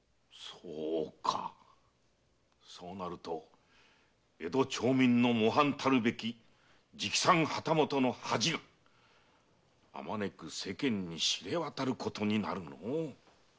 そうかそうなると江戸町人の模範たるべき直参旗本の恥があまねく世間に知れ渡ることになるのう。